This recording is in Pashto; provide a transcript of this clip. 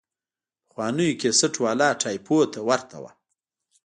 پخوانيو کسټ والا ټايپونو ته ورته وه.